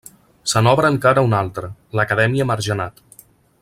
Se n'obre encara una altra, l'Acadèmia Margenat.